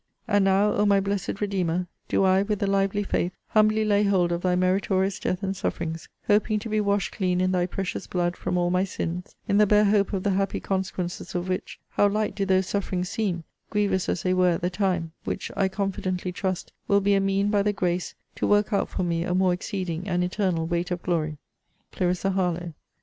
And now, O my blessed REDEEMER, do I, with a lively faith, humbly lay hold of thy meritorious death and sufferings; hoping to be washed clean in thy precious blood from all my sins: in the bare hope of the happy consequences of which, how light do those sufferings seem (grievous as they were at the time) which, I confidently trust, will be a mean, by the grace, to work out for me a more exceeding and eternal weight of glory! CLARISSA HARLOWE.